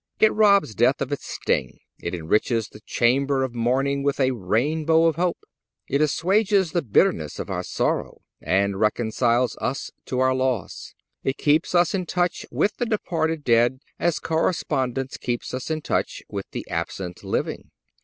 It robs death of its sting. It encircles the chamber of mourning with a rainbow of hope. It assuages the bitterness of our sorrow, and reconciles us to our loss. It keeps us in touch with the departed dead as correspondence keeps us in touch with the absent living.